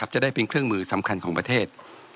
จะได้เป็นเครื่องมือสำคัญของประเทศ